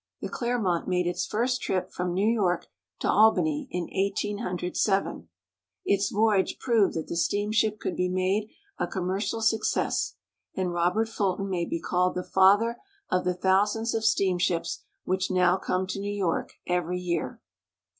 The Cle7'ino7it made its first trip from New York to Albany in 1807. Its voyage proved that the steamship could be made a commercial success, and Rob ert Fulton may be called the father of the thousands of steamships which now come to New York every year.